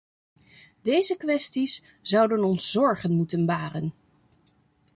Deze kwesties zouden ons zorgen moeten baren.